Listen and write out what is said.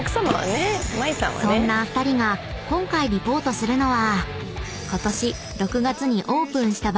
［そんな２人が今回リポートするのは］